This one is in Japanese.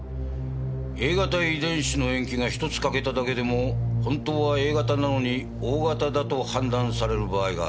Ａ型遺伝子の塩基が１つ欠けただけでも本当はＡ型なのにＯ型だと判断される場合がある。